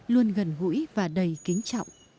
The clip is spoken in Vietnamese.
luôn gần gũi và đầy kính trọng